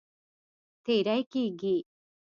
تېری کیږي.